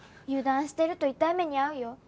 油断してると痛い目に遭うよ。